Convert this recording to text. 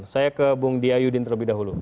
saya ke bung diayudin terlebih dahulu